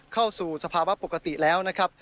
เข้าสู่สภาวะปกติแล้วนะครับ